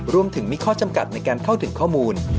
รวมถึงมีข้อจำกัดในการเข้าถึงข้อมูล